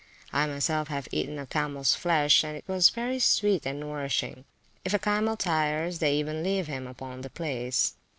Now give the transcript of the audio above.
I myself have eaten of camels flesh, and it is very sweet and nourishing. If a camel tires, they even leave him upon the place.